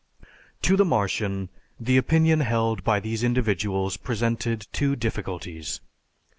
To the Martian the opinion held by these individuals presented two difficulties.